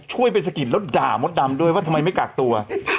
ช่วยไปสะกิดแล้วด่ามดดำด้วยว่าทำไมไม่กักตัว